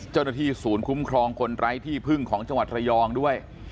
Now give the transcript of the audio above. เจ้าหน้าที่ศูนย์คุ้มครองคนไร้ที่พึ่งของจังหวัดระยองด้วย